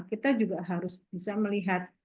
kita juga harus bisa melihat